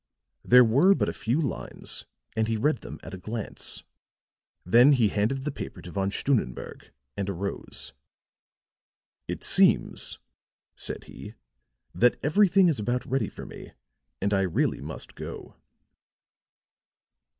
There were but a few lines, and he read them at a glance; then he handed the paper to Von Stunnenberg and arose. "It seems," said he, "that everything is about ready for me, and I really must go."